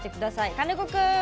金子君！